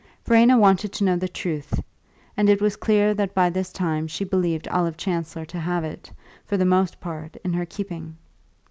Verena wanted to know the truth, and it was clear that by this time she believed Olive Chancellor to have it, for the most part, in her keeping.